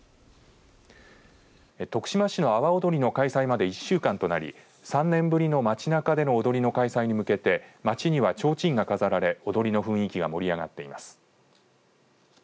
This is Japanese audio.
徳島市の阿波おどりの開催まで１週間となり３年ぶりの街なかでの踊りの開催に向けて街には、ちょうちんが飾られ踊りの雰囲気が盛り上がっています。